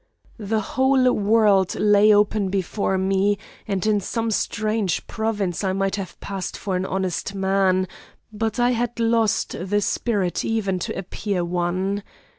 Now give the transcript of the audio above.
"The whole world lay open before me, and in some strange province I might have passed for an honest man, but I had lost the spirit even to appear one.